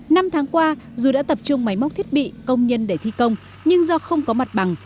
năm tháng qua dù đã tập trung máy móc thiết bị công nhân để thi công nhưng do không có mặt bằng